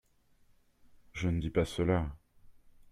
Je ne dis pas cela…